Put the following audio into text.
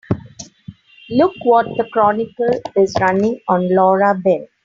Look what the Chronicle is running on Laura Ben.